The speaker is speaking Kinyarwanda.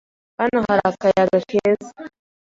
Hano hari akayaga keza.